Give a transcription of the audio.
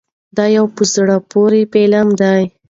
دا یو په زړه پورې فلم دی.